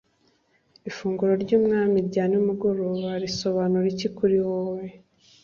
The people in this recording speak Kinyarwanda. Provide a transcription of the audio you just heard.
ifunguro ry umwami rya nimugoroba risobanura iki kuri wowe